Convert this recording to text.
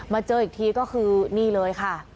เจออีกทีก็คือนี่เลยค่ะ